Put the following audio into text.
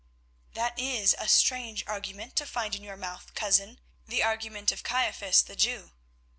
"That is a strange argument to find in your mouth, cousin, the argument of Caiaphas the Jew."